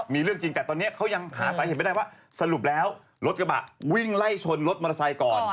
มีเรื่องจริงแต่ตอนนี้เขายังหาสาเหตุไม่ได้ว่าสรุปแล้วรถกระบะวิ่งไล่ชนรถมอเตอร์ไซค์ก่อน